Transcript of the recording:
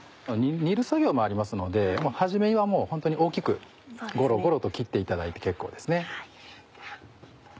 煮る作業もありますので初めは大きくゴロゴロと切っていただいて結構ですね。